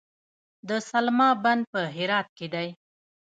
د سلما بند په هرات کې دی